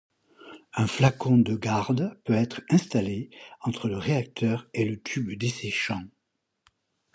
Un flacon de garde peut être installé entre le réacteur et le tube desséchant.